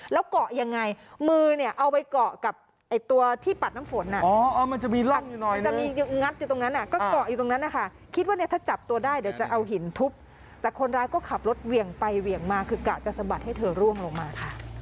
แล้วเกาะยังไงมือเนี่ยเอาไปเกาะกับตัวที่ปัดน้ำฝนมันจะมีงัดอยู่ตรงนั้นก็เกาะอยู่ตรงนั้นนะคะคิดว่าเนี่ยถ้าจับตัวได้เดี๋ยวจะเอาหินทุบแต่คนร้ายก็ขับรถเหวี่ยงไปเหวี่ยงมาคือกะจะสะบัดให้เธอร่วงลงมาค่ะ